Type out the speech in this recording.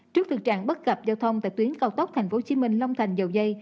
trước thực trạng bất cập giao thông tại tuyến cao tốc tp hcm long thành dầu dây